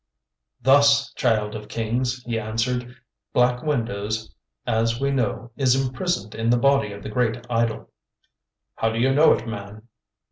"Thus, Child of Kings," he answered, "Black Windows, as we know, is imprisoned in the body of the great idol." "How do you know it, man?"